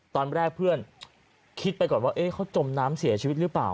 ตอนแรกเพื่อนคิดไปก่อนว่าเขาจมน้ำเสียชีวิตหรือเปล่า